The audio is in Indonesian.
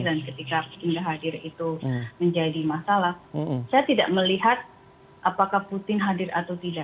dan ketika tidak hadir itu menjadi masalah saya tidak melihat apakah putin hadir atau tidak